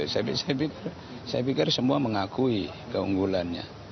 saya pikir semua mengakui keunggulannya